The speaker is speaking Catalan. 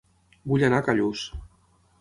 Vull anar a Callús